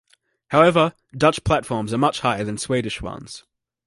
However, Dutch platforms are much higher than Swedish ones.